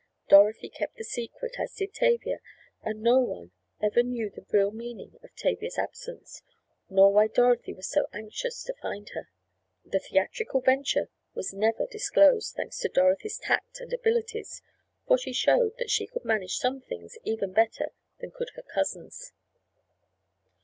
Dorothy kept the secret, as did Tavia, and no one ever knew the real meaning of Tavia's absence, nor why Dorothy was so anxious to find her. The theatrical venture was never disclosed, thanks to Dorothy's tact and abilities, for she showed that she could manage some things even better than could her cousins.